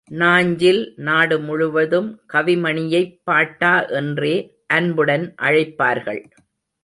நாஞ்சில் நாடுமுழுவதும் கவிமணியைப் பாட்டா என்றே அன்புடன் அழைப்பார்கள்.